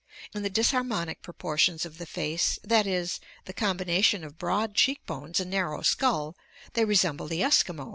In the disharmonic propor tions of the face, that is, the combination of broad cheekbones and narrow skull, they resemble the Eskimo.